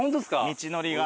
道のりが。